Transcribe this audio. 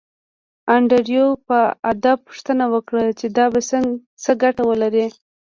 انډریو په ادب پوښتنه وکړه چې دا به څه ګټه ولري